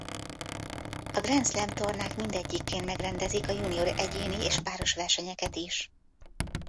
A Grand Slam-tornák mindegyikén megrendezik a junior egyéni és páros versenyeket is.